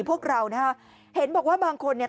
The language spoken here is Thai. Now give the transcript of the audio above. พวกเรานะฮะเห็นบอกว่าบางคนเนี่ย